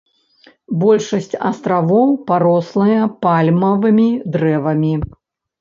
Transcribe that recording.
Большасць астравоў парослая пальмавымі дрэвамі.